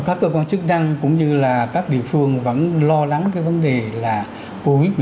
các cơ quan chức năng cũng như là các địa phương vẫn lo lắng cái vấn đề là covid một mươi chín